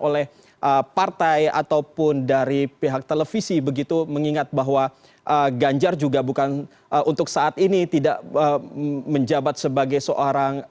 oleh partai ataupun dari pihak televisi begitu mengingat bahwa ganjar juga bukan untuk saat ini tidak menjabat sebagai seorang